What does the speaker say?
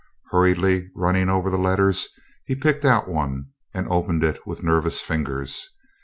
Hurriedly running over the letters, he picked out one, and opened it with nervous fingers.